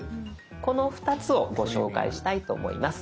この２つをご紹介したいと思います。